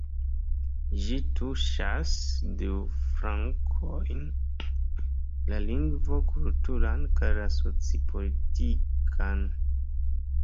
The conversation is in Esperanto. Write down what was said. Ĝi tuŝas du flankojn: la lingvo-kulturan kaj la soci-politikan.